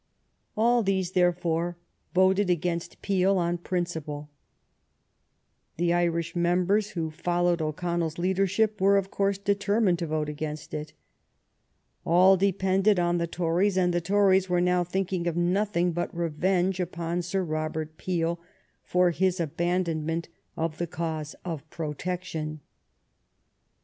All these, therefore, voted against Peel on prin ciple. The Irish members, who followed O'Con nell's leadership, were, of course, determined to vote against it. All depended on the Tories, and the Tories were now thinking of nothing but revenge upon Sir Robert Peel for his abandon ment of the cause of protection.